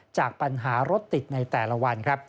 จากปัญหารถติดในแต่ละวันครับ